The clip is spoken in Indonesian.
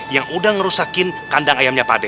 yang udah ngerusakin kandang ayamnya pade